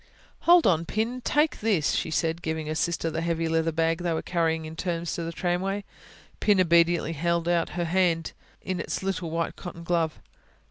"Hold on, Pin ... take this," she said, giving her sister the heavy leather bag they were carrying in turns to the tramway. Pin obediently held out her hand, in its little white cotton glove.